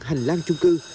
hành lang trung cư